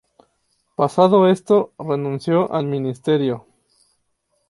Pasado esto renunció al ministerio.